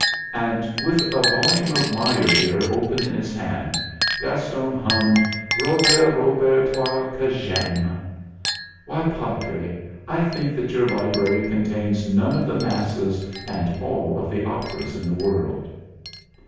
And, with a volume of Meyerbeer open in his hand, Gaston hummed: "'Robert, Robert, toi que j'aime.' Why, Padre, I think that your library contains none of the masses and all of the operas in the world!"